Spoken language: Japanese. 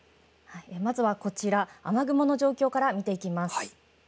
まずはこちら雨雲の状況から見ていきます。